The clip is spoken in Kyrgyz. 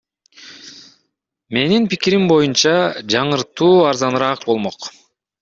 Менин пикирим боюнча, жаңыртуу арзаныраак болмок.